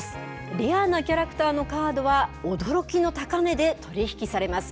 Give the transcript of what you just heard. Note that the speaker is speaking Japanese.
レアなキャラクターのカードは、驚きの高値で取り引きされます。